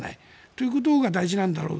ということが大事なんだろう。